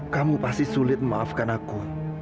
kamu pasti sulit memaafkan aku